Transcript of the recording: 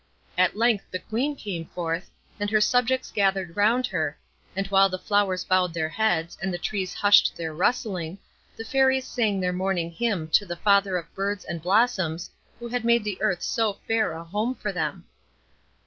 At length the Queen came forth, and her subjects gathered round her, and while the flowers bowed their heads, and the trees hushed their rustling, the Fairies sang their morning hymn to the Father of birds and blossoms, who had made the earth so fair a home for them.